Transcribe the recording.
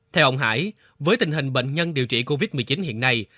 theo ông hải với tình hình bệnh nhân điều trị covid một mươi chín hiện nay